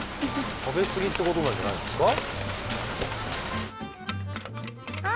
食べ過ぎってことなんじゃないんですか？